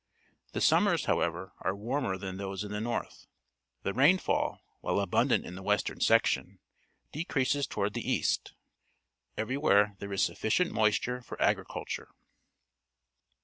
The summers, however, are warmer than those in the north. The rainfall, while abundant in the western section, decrea.ses GERMANY 187 toward the east. Eve^y^vhere there is suf ficient moisture for agriculture.